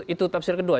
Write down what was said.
itu tafsir kedua